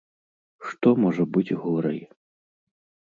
Што можа быць горай?